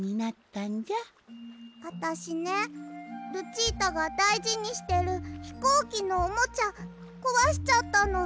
あたしねルチータがだいじにしてるひこうきのおもちゃこわしちゃったの。